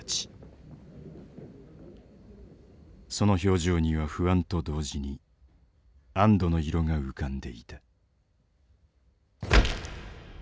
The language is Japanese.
その表情には不安と同時に安堵の色が浮かんでいた。